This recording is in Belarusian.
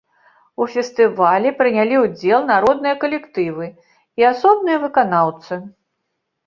У фестывалі прынялі ўдзел народныя калектывы і асобныя выканаўцы.